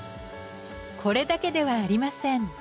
これだけではありません。